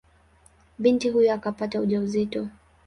Binti huyo akapata ujauzito.